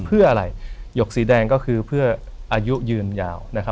เพื่ออะไรหยกสีแดงก็คือเพื่ออายุยืนยาว